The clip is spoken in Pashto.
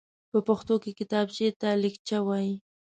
په پښتو کې کتابچېته ليکچه وايي.